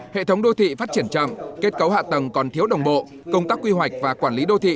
hệ thống đô thị phát triển chậm kết cấu hạ tầng còn thiếu đồng bộ công tác quy hoạch và quản lý đô thị